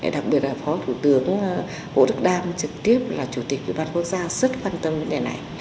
đặc biệt là phó thủ tướng vũ đức đam trực tiếp là chủ tịch bộ y tế rất quan tâm đến đề này